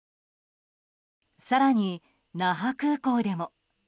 更に那覇空港でも。